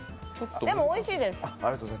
でも、おいしいです。